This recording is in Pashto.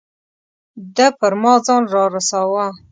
ده پر ما ځان را رساوه.